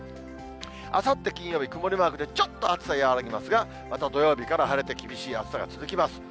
あさって金曜日、曇りマークで、ちょっと暑さ、和らぎますが、また土曜日から晴れて、厳しい暑さが続きます。